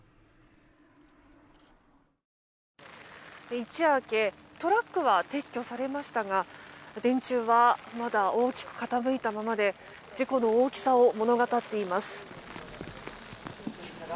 一夜明けトラックは撤去されましたが電柱はまだ大きく傾いたままで事故の大きさを物語っています。